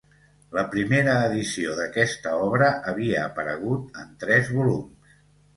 La primera edició d'aquesta obra havia aparegut en tres volums.